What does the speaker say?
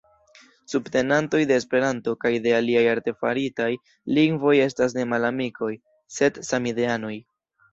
Subtenantoj de Esperanto kaj de aliaj artefaritaj lingvoj estas ne malamikoj, sed samideanoj.